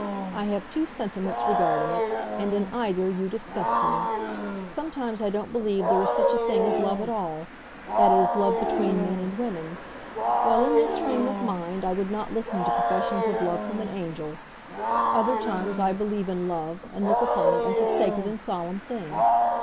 I have two sentiments regarding it, and in either you disgust me. Sometimes I don't believe there is such a thing as love at all that is, love between men and women. While in this frame of mind I would not listen to professions of love from an angel. Other times I believe in love, and look upon it as a sacred and solemn thing.